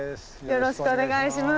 よろしくお願いします。